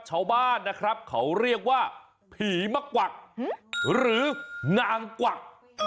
ชาวบ้านนะครับเขาเรียกว่าผีมะกวักหรือนางกวัก